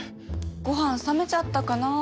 ご飯冷めちゃったかな。